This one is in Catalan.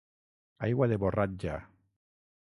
Aigua de borratja.